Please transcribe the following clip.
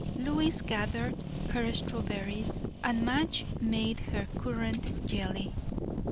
Lois gathered her strawberries, and Madge made her currant jelly.